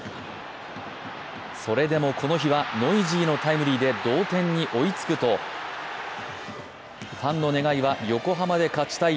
それでもこの日はノイジーのタイムリーで同点に追いつくとファンの願いは横浜で勝ちたい。